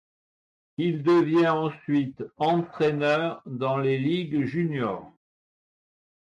Il devient ensuite entraîneur dans les ligues junior.